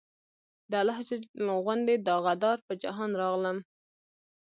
د الله غوندې داغدار پۀ جهان راغلم